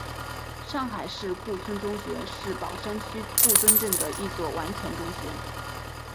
上海市顾村中学是宝山区顾村镇的一所完全中学。